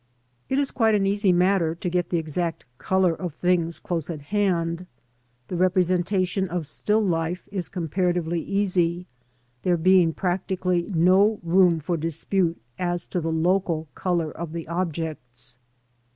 It is quite an easy matter to get the exact colour of things close at hand. The representation of still life is comparatively easy, there being practically no room for dispute as to the local colour of the objects.